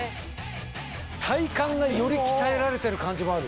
体幹がより鍛えられてる感じもある。